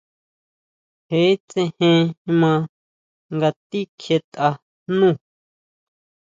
Je tséjen maa nga tijikjietʼa nú.